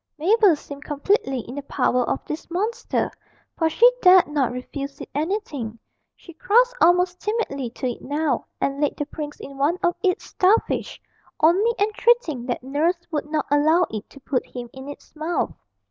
Mabel seemed completely in the power of this monster, for she dared not refuse it anything; she crossed almost timidly to it now, and laid the prince in one of its starfish, only entreating that nurse would not allow it to put him in its mouth.